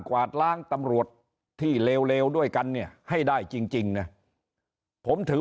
กวาดล้างตำรวจที่เลวด้วยกันเนี่ยให้ได้จริงนะผมถือ